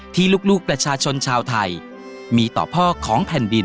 ที่ลูกประชาชนชาวไทยมีต่อพ่อของแผ่นดิน